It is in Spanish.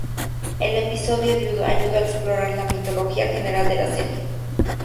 El episodio ayudó a explorar la mitología general de la serie.